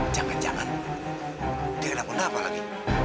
jangan jangan dia kenapa napa lagi